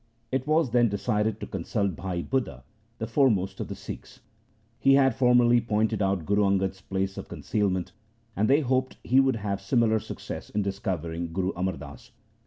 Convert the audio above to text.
It was then decided to consult Bhai Budha, the foremost of the Sikhs. He had formerly pointed out Guru Angad's place of concealment, and they hoped he would have similar success in discovering Guru Amar Das.